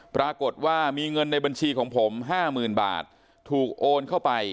ปรากฏว่ามีเงินในบัญชีของผม๕๐๐๐บาทถูกโอนเข้าไป